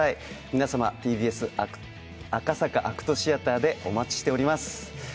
皆様、ＴＢＳ赤坂ＡＣＴシアターでお待ちしています。